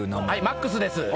マックスです。